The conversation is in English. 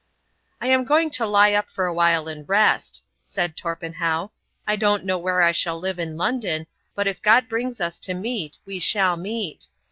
"I am going to lie up for a while and rest," said Torpenhow. "I don't know where I shall live in London, but if God brings us to meet, we shall meet.